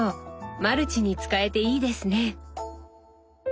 マルチに使えていいですね！